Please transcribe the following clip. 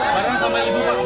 bareng sama ibu pak